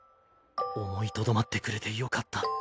思いとどまってくれてよかった。